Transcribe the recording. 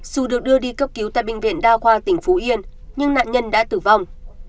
dù được đưa đi cấp cứu tại bệnh viện đa khoa tỉnh phú yên nhưng nạn nhân đã tử vong